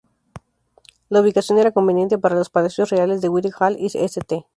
La ubicación era conveniente para los palacios reales de Whitehall y St.